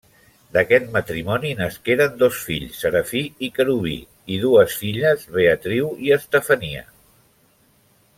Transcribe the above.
D'aquest matrimoni nasqueren dos fills Serafí i Querubí, i dues filles, Beatriu i Estefania.